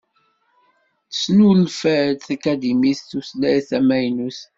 Tesnulfa-d tkadimit tutlayt tamaynut.